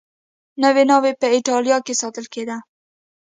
نوې ناوې په اېټالیا کې ساتل کېده